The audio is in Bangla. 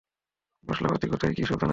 মশলাপাতি কোথায় কী সব জানো তো?